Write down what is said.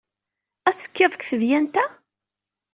Ad tettekkid deg tedyant-a?